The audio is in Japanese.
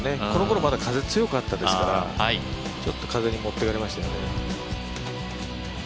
このころ、まだ風が強かったですから、ちょっと風に持ってかれましたよね。